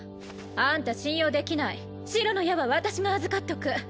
あんた信用できない白の矢は私が預かっとく